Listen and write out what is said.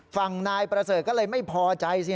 ฝั่งนายประเสริฐก็เลยไม่พอใจสิ